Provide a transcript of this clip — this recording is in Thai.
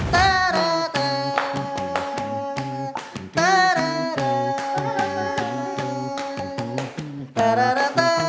แค่มองตากันก็เข้าใจดู